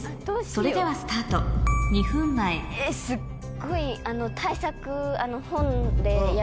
それではスタート２分前すっごい。